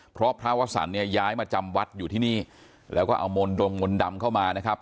เพราะพระวสันเนี่ยย้ายมาจำวัดอยู่ที่นี่แล้วก็เอามนตงมนต์ดำเข้ามานะครับ